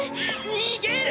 逃げる！